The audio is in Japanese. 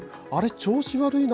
調子悪いな？